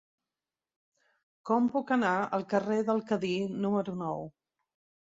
Com puc anar al carrer del Cadí número nou?